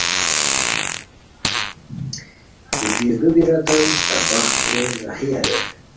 کی بیردو بیریتام تہ بخت، رے راہی اریر